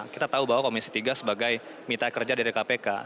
kita tahu bahwa komisi tiga sebagai mitra kerja dari kpk